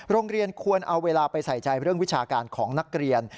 โรงเรียนควรเอาเวลาไปใส่ใจเรื่องวิชาการของนักเรียน